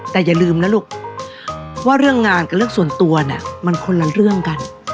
แต่อย่าลืมนะลูกว่าเรื่องงานกับเรื่องส่วนตัวเนี่ยมันคนละเรื่องกัน